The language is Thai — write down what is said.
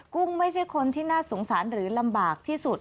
กุ้งไม่ใช่คนที่น่าสงสารหรือลำบากที่สุด